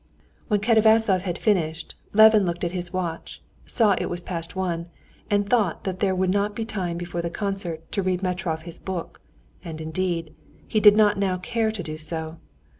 When Katavasov had finished, Levin looked at his watch, saw it was past one, and thought that there would not be time before the concert to read Metrov his book, and indeed, he did not now care to do so.